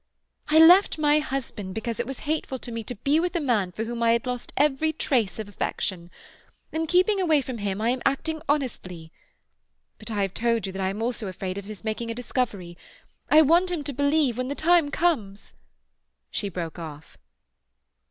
I left my husband because it was hateful to me to be with a man for whom I had lost every trace of affection. In keeping away from him I am acting honestly. But I have told you that I am also afraid of his making a discovery. I want him to believe—when the time comes—" She broke off.